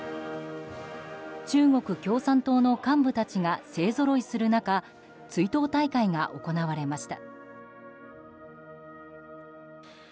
中国共産党の幹部たちが勢ぞろいする中追悼大会が行われました。